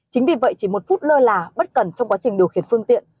chính vì vậy chỉ một phút lơ là bất cẩn trong quá trình điều khiển phương tiện